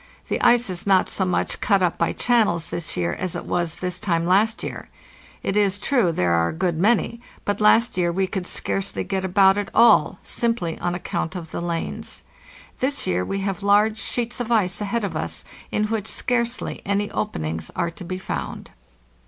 The ice is not so much cut up by channels this year as it was this time last year. It is true there are a good many; but last year we could scarcely get about at all, simply on account of the lanes. This year we have large sheets of ice ahead of us in which scarcely any openings are to be found."